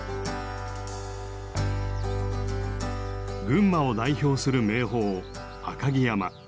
群馬を代表する名峰赤城山。